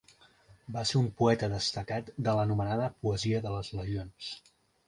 Va ser un poeta destacat de l'anomenada "Poesia de les Legions".